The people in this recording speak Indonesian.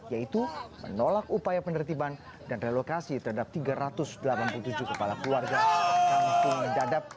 yaitu menolak upaya penertiban dan relokasi terhadap tiga ratus delapan puluh tujuh kepala keluarga kampung dadap